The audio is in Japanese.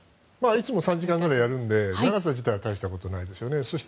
いつも３時間ぐらいやるので長さ自体は大したことないですよね。